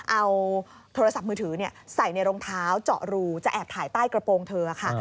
เอาโทรศัพท์มือถือใส่ในรองเท้าเจาะรูจะแอบถ่ายใต้กระโปรงเธอค่ะ